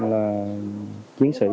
là chiến sĩ